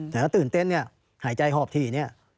แต่ถ้าตื่นเต้นเนี่ยหายใจหอบถี่เนี่ย